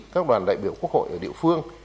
các đoàn đại biểu quốc hội ở địa phương